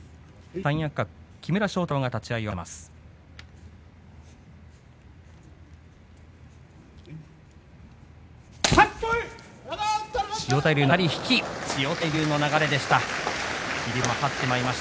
三役格、木村庄太郎が立ち合いを合わせます。